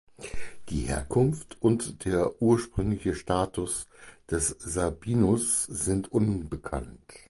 Die Herkunft und der ursprüngliche Status des Sabinus sind unbekannt.